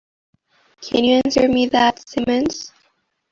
Can you answer me that, Simmons?